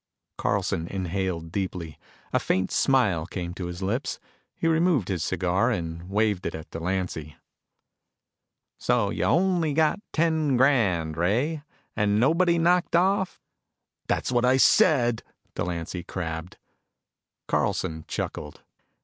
Carlson inhaled deeply. A faint smile came to his lips. He removed his cigar and waved it at Delancy. "So you got only ten grand, Ray? And nobody knocked off?" "That's what I said," Delancy crabbed. Carlson chuckled.